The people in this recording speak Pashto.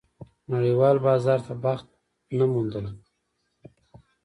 نړېوال بازار ته بخت نه موندلی.